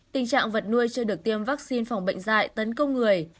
tình trạng vật nuôi chưa được tiêm vaccine phòng bệnh dạy tấn công người